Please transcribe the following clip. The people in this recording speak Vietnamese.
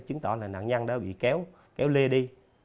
chứng tỏ là nạn nhân đã bị kéo kéo lê đi